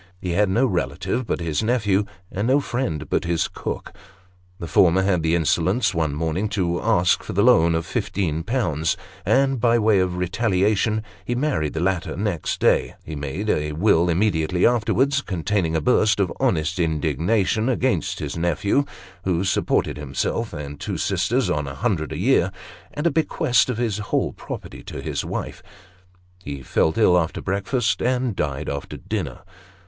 He had no relative but his nephew, and no friend but his cook. The Arrival of Mrs. Bloss. 221 former bad the insolence one morning to ask for the loan of fifteen pounds ; and, by way of retaliation, he married the latter next day ; ho made a will immediately afterwards, containing a burst of honest indignation against his nephew (who supported himself and two sisters on 100Z. a year), and a bequest of his whole property to his wife. He felt ill after breakfast, and died after dinner.